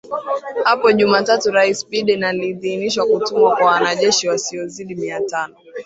Hapo Jumatatu Rais Biden aliidhinisha kutumwa kwa wanajeshi wasiozidi mia tano